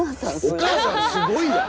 お母さんすごいやん。